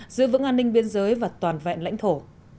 giữ vững an ninh biên giới và toàn vẹn lãnh thổ